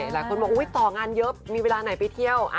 หลายคนบอกต่องานเยอะมีเวลาไหนไปเที่ยว